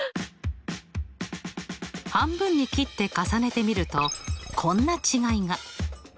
半分に切って重ねてみるとこんな違いが。